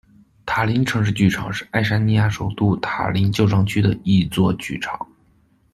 塔林城市剧场是爱沙尼亚首都塔林旧城区的一座剧场。